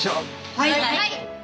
はい！